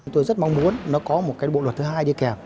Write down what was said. tôi rất mong muốn nó có một cái bộ luật thứ hai đi kèm